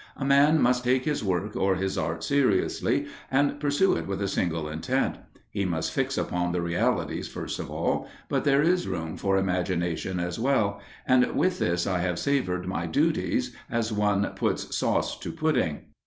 A man must take his work or his art seriously, and pursue it with a single intent; he must fix upon the realities first of all, but there is room for imagination as well, and with this I have savoured my duties, as one puts sauce to pudding.